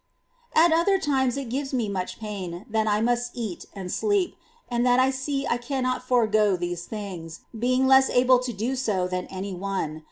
7. At other times it gives me much pain that I must eat and sleep, and that I see I cannot forego these things, being less able to do so than any one.